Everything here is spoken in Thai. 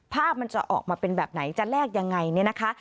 ภาพมันจะออกมาเป็นแบบไหนจะแลกยังไงเนี่ยนะคะ